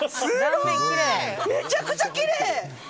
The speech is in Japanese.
めちゃくちゃきれい！